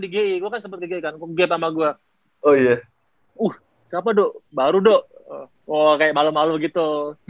sih gue sempet ke gep sama gua oh iya uh siapa do baru do oh kayak malu malu gitu